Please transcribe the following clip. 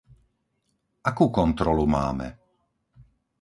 Akú kontrolu máme?